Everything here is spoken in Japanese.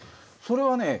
それはね